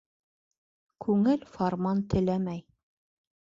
Күңел фарман теләмәй.